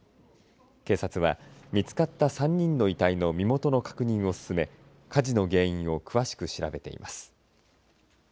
警察は、見つかった３人の遺体の身元の確認を進め火事の原因を詳しく調べています。